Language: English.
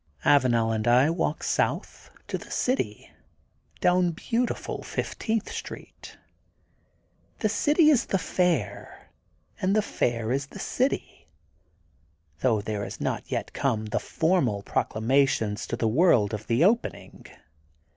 Avanel and I walk south to the city down beautiful Fifteenth Street. The city is the Fair and the Fair is the city, though there has not yet come the formal proclamation to the world of the opening.